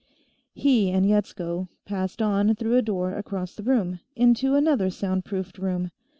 He and Yetsko passed on through a door across the room, into another sound proofed room.